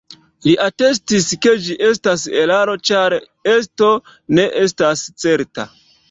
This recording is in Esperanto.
Li atestis ke ĝi estas eraro ĉar esto ne estas certa.